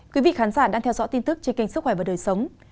quý vị khán giả đang theo dõi tin tức trên kênh sức khỏe và đời sống